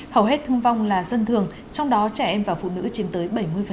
hầu hết thương vong là dân thường trong đó trẻ em và phụ nữ chiếm tới bảy mươi